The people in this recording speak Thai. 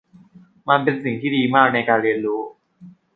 มันเป็นสิ่งที่ดีมากในการเรียนรู้